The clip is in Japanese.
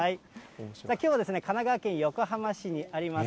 きょうは神奈川県横浜市にあります